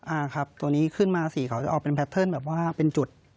อ่าครับตัวนี้ขึ้นมาสีเขาจะออกเป็นแพทเทิร์นแบบว่าเป็นจุด